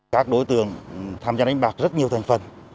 các đối tượng tham gia đánh bạc rất nhiều thành phần